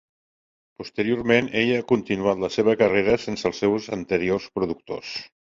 Posteriorment ella ha continuat la seva carrera sense els seus anteriors productors.